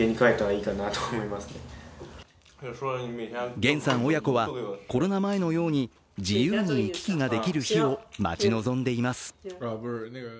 元さん親子はコロナ前のように自由に行き来ができる日を待ち望んでいます。